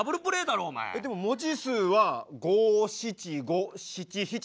でも文字数は五・七・五・七・七だぞ。